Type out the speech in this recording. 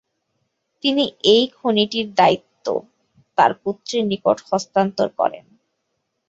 তিনি এই খনিটির দায়িত্ব তার পুত্রের নিকট হস্তান্তর করেন।